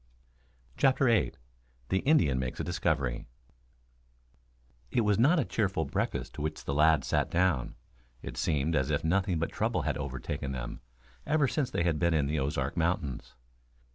CHAPTER VIII THE INDIAN MAKES A DISCOVERY It was not a cheerful breakfast to which the lads sat down. It seemed as if nothing but trouble had overtaken them ever since they had been in the Ozark Mountains.